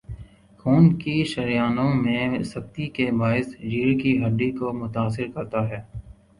خون کی شریانوں میں سختی کے باعث ریڑھ کی ہڈی کو متاثر کرتا ہے